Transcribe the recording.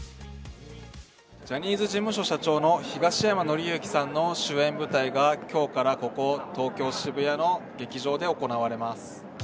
ジャニーズ事務所社長の東山紀之さんの主演舞台が今日からここ、東京・渋谷の劇場で行われます。